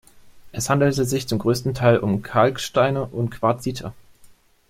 Es handelt sich zum größten Teil um Kalksteine und Quarzite.